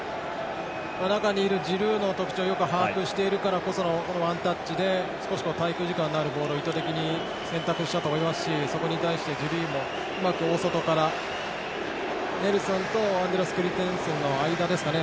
中にいるジルーの特徴をよく把握しているからこそのワンタッチで少し滞空時間のあるボールを意図的に選択したと思いますしそこに対して、ジルーもうまく大外からネルソンとアンドレアス・クリステンセンの間ですかね。